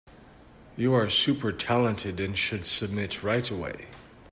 You are super talented and should submit right away.